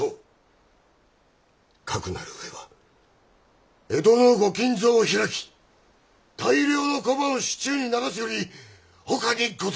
かくなるうえは江戸の御金蔵を開き大量の小判を市中に流すよりほかにござりませぬ！